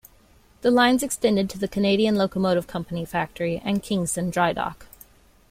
The lines extended to the Canadian Locomotive Company factory and Kingston Dry Dock.